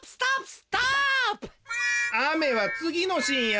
雨はつぎのシーンや。